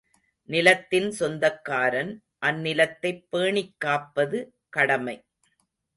நிலத்தின் சொந்தக்காரன் அந்நிலத்தைப் பேணிக்காப்பது கடமை.